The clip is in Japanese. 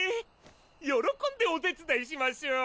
よろこんでお手伝いしましょう！